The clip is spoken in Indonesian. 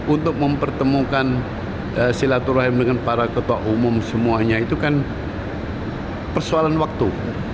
untuk mempertemukan silaturahim dengan para ketua umum semuanya itu kan persoalan waktu